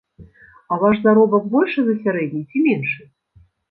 А ваш заробак большы за сярэдні ці меншы?